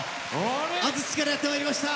安土からやってまいりました！